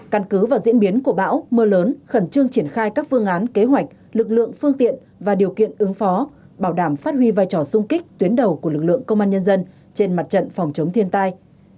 căn cứ vào diễn biến của bão mưa lớn khẩn trương triển khai các phương án kế hoạch lực lượng phương tiện và điều kiện ứng phó bảo đảm phát huy vai trò sung kích tuyến đầu của lực lượng công an nhân dân trên mặt trận phòng chống thiên tai